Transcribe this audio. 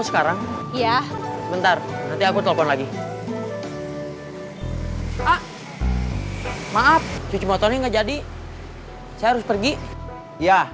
sekarang iya bentar aku telepon lagi pak maaf cuci motornya nggak jadi saya harus pergi iya